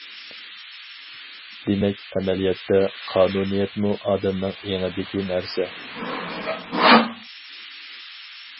دېمەك، ئەمەلىيەتتە، قانۇنىيەتمۇ ئادەمنىڭ ئېڭىدىكى نەرسە.